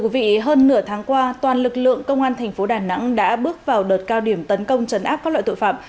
hơn nửa tháng qua toàn lực lượng công an thành phố đà nẵng đã bước vào đợt cao điểm tấn công chấn áp các loại tội phạm